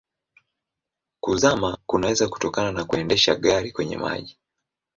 Kuzama kunaweza kutokana na kuendesha gari kwenye maji.